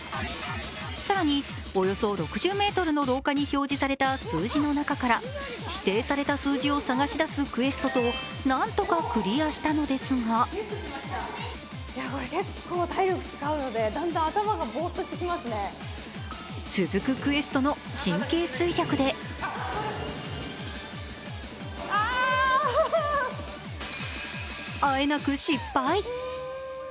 更に、およそ６０ｍの廊下に表示された数字の中から指定された数字を探し出すクエストとなんとかクリアしたのですが続くクエストの神経衰弱であえなく失敗。